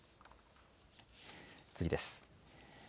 次です。